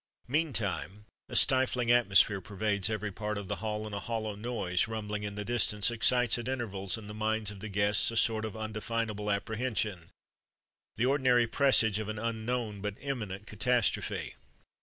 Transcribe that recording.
Meantime a stifling atmosphere pervades every part of the hall, and a hollow noise, rumbling in the distance, excites at intervals in the minds of the guests a sort of undefinable apprehension the ordinary presage of an unknown but imminent catastrophe.